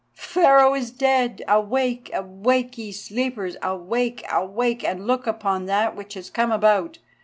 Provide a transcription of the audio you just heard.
"Pharaoh is dead! Awake! Awake, ye sleepers! Awake! awake! and look upon that which has come about.